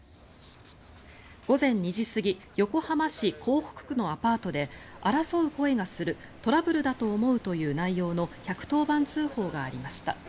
午前２時過ぎ横浜市港北区のアパートで争う声がするトラブルだと思うという内容の１１０番通報がありました。